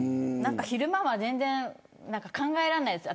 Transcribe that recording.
昼間は全然考えられないです。